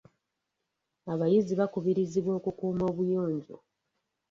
Abayizi bakubirizibwa okukuuma obuyonjo.